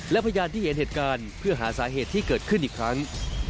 และพยานที่เห็นเหตุการณ์เพื่อหาสาเหตุที่เกิดขึ้นอีกครั้ง